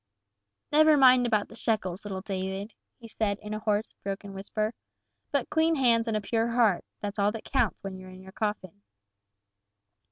"Never mind about the shekels, little David," he said in a hoarse, broken whisper. "But clean hands and a pure heart that's all that counts when you're in your coffin."